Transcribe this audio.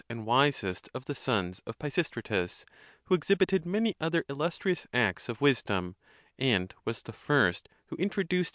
and wisest of the sons of Pisistratus; who exhibited many other illustrious acts of wisdom, and was the first who intro duced